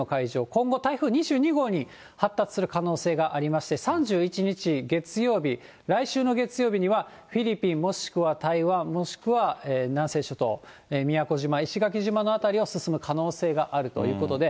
今後、台風２２号に発達する可能性がありまして、３１日月曜日、来週の月曜日にはフィリピンもしくは台湾、もしくは南西諸島、宮古島、石垣島の辺りを進む可能性があるということで。